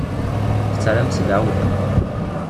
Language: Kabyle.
Tettarram-tt deg uɛewwiq.